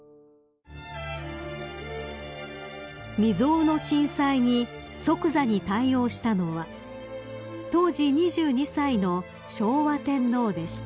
［未曽有の震災に即座に対応したのは当時２２歳の昭和天皇でした］